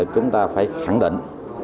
chúng ta phải khẳng định